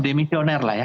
demisioner lah ya